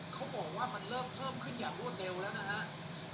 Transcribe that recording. เขาบอกว่ามันเริ่มเพิ่มขึ้นอย่างรวดเร็วแล้วนะครับ